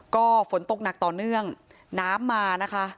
ก็ฝนตกหนักต่อเนื่องน้ำมานะคะ